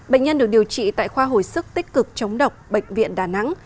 bệnh nhân được điều trị tại khoa hồi sức tích cực chống độc bệnh viện đà nẵng